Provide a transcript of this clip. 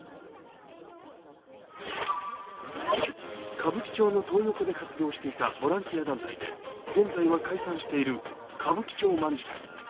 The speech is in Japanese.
歌舞伎町のトー横で活動していたボランティア団体で現在は解散している歌舞伎町卍会。